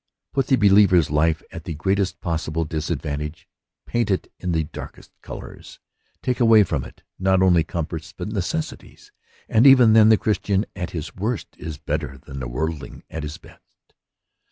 Put the believer's life at the greatest possible disadvantage, paint it in the darkest colors, take away from it not only comforts but necessaries, and even then the Christian at his worst is better than the world ling at his best.